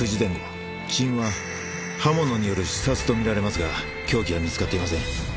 死因は刃物による刺殺とみられますが凶器は見つかっていません。